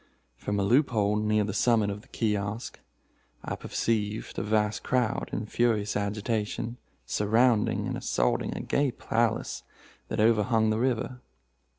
From a loop hole near the summit of the kiosk, I perceived a vast crowd, in furious agitation, surrounding and assaulting a gay palace that overhung the river.